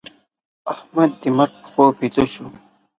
احمد د مرګ په خوب بيده شو.